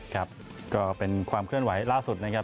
ครับก็เป็นความเคลื่อนไหวล่าสุดนะครับ